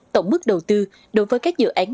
tổng bức đầu tư đối với các dự án